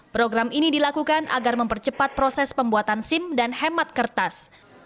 program ini dilakukan agar mempercepat proses pembuatan sim dan hemat kertas